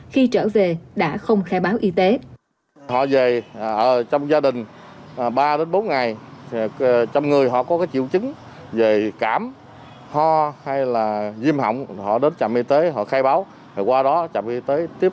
khi trở về đã không khai báo y tế